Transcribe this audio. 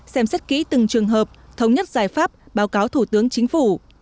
xem xét kỹ từng trường hợp thống nhất giải pháp báo cáo thủ tướng chính phủ